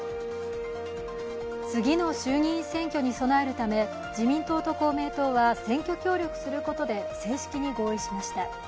次の衆議院選挙に備えるため自民党と公明党は選挙協力することで、正式に合意しました。